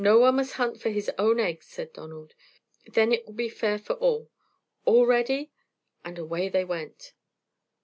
"No one must hunt for his own eggs," said Donald. "Then it will be fair for all. All ready!" and away they went.